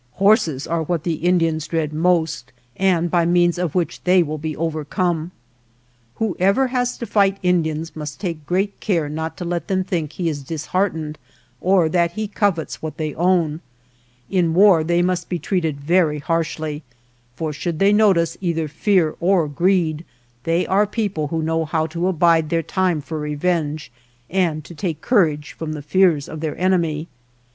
Horses are what the Indians dread most, and by means of which they will be over come. Whoever has to fight Indians must take great care not to let them think he is dis heartened or that he covets what they own ; in war they must be treated very harshly, for should they notice either fear or greed, they are the people who know how to abide their time for revenge and to take courage from the fears of their enemy.